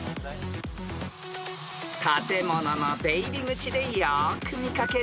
［建物の出入り口でよく見掛ける